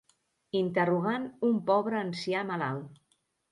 Interrogant un pobre ancià malalt.